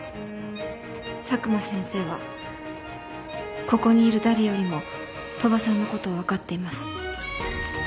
佐久間先生はここにいる誰よりも鳥羽さんのことをわかっています。